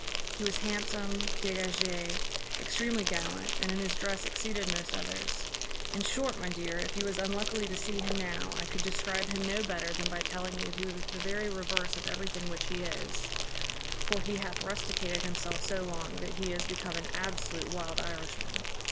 He was handsome, dégagé, extremely gallant, and in his dress exceeded most others. In short, my dear, if you was unluckily to see him now, I could describe him no better than by telling you he was the very reverse of everything which he is: for he hath rusticated himself so long, that he is become an absolute wild Irishman.